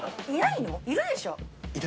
いるでしょ？